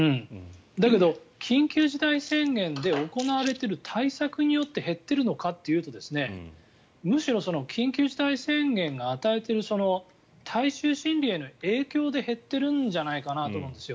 だけど緊急事態宣言で行われている対策によって減っているのかというとむしろ、緊急事態宣言が与えている大衆心理への影響で減ってるんじゃないかなと思うんですよ。